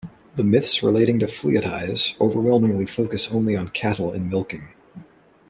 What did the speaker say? The myths relating to Fliodhais overwhelmingly focus only on cattle and milking.